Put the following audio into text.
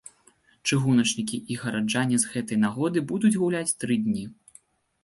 Чыгуначнікі і гараджане з гэтай нагоды будуць гуляць тры дні.